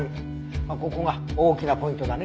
まあここが大きなポイントだね。